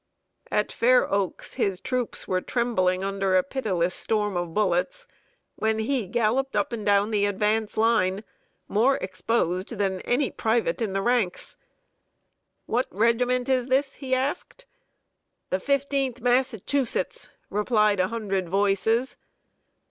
At Fair Oaks, his troops were trembling under a pitiless storm of bullets, when he galloped up and down the advance line, more exposed than any private in the ranks. "What regiment is this?" he asked. "The Fifteenth Massachusetts," replied a hundred voices.